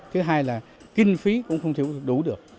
thứ hai là kinh phí cũng không thể đủ được